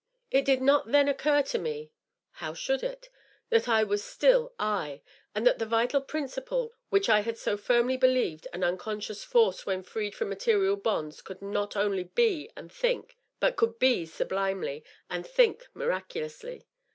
It did not then occur to me (how should it?) that I was stUl J, and that the vital principle which I had so firmly believed an unconscious force when freed from material bonds could not only be and think but could be sublimely and think miracu lously.